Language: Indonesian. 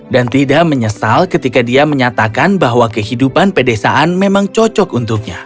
dan tidak menyesal ketika dia menyatakan bahwa kehidupan pedesaan memang cocok untuknya